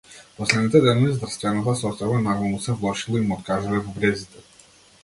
Последните денови здравствената состојба нагло му се влошила и му откажале бубрезите.